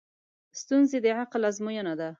ستونزې د عقل ازموینه ده.